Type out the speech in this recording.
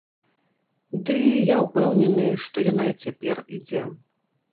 Ды, я ўпэўнены, што яна і цяпер ідзе!